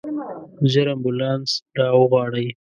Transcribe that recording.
ژر امبولانس راوغواړئ.